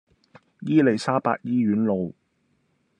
伊利沙伯醫院路